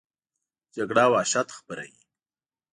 جګړه وحشت خپروي